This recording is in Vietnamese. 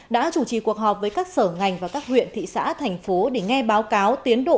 đã chủ trì cuộc họp với các sở ngành và các huyện thị xã thành phố để nghe báo cáo tiến độ